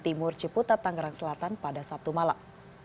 timur ciputat tangerang selatan pada sabtu malam